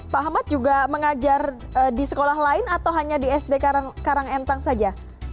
pak ahmad juga mengajar di sekolah lain atau hanya di sd karangentang saja